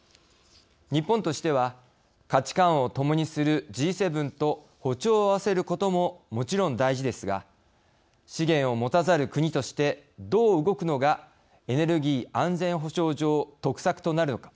日本としては価値観を共にするＧ７と歩調を合わせることももちろん大事ですが資源を持たざる国としてどう動くのがエネルギー安全保障上得策となるのか。